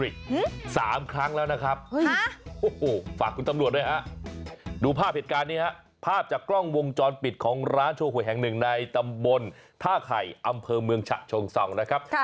จากกล้องวงจรปิดของร้านโชว์ห่วยแห่งหนึ่งในตำบลท่าไข่อำเภอเมืองฉะชงส่องนะครับ